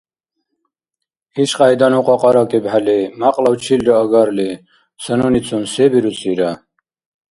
Ишкьяйда ну кьакьаракӀибхӀели, мякьлав чилра агарли, ца нуницун се бирусира?